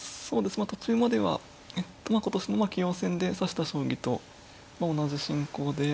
あ途中までは今年の棋王戦で指した将棋と同じ進行で。